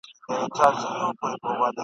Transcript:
په دې خړو کنډوالو یو نازېدلي !.